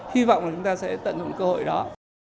hy vọng là chúng ta sẽ tận dụng cơ hội đó